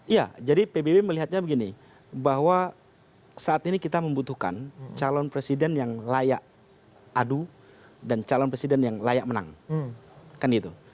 iya jadi pbb melihatnya begini bahwa saat ini kita membutuhkan calon presiden yang layak adu dan calon presiden yang layak menang kan itu